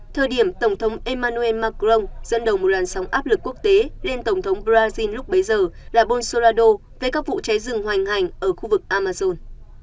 thời điểm tổng thống emmanuel macron dẫn đầu một làn sóng áp lực quốc tế lên tổng thống brazil lúc bấy giờ là bolsurado về các vụ cháy rừng hoành hành ở khu vực amazon